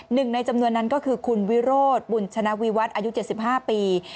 หนึ่งในจำนวนนั้นก็คือคุณวิโรธบุญชนะวิวัตรอายุ๗๕ปี